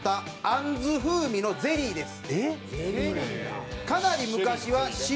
あんず風味のゼリーです。